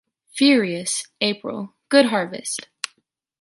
Furious April, good harvest.